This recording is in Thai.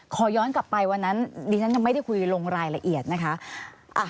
ขอย้อนกลับไปวันนั้นดิฉันยังไม่ได้คุยลงรายละเอียดนะคะ